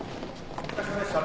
・お疲れさまでした。